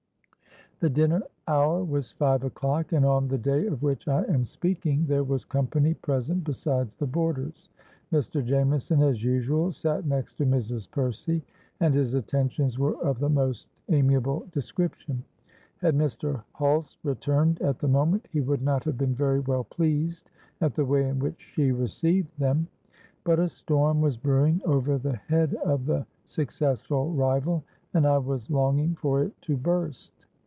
"The dinner hour was five o'clock; and on the day of which I am speaking, there was company present besides the boarders. Mr. Jameson, as usual, sate next to Mrs. Percy; and his attentions were of the most amiable description. Had Mr. Hulse returned at the moment, he would not have been very well pleased at the way in which she received them. But a storm was brewing over the head of the successful rival; and I was longing for it to burst.